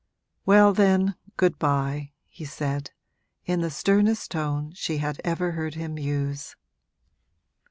'Well then, good bye,' he said, in the sternest tone she had ever heard him use.